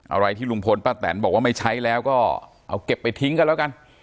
อะไรที่ลุงพลป้าแตนบอกว่าไม่ใช้แล้วก็เอาเก็บไปทิ้งกันแล้วกัน